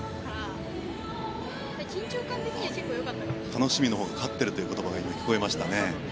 楽しみのほうが勝っているという言葉がありましたね。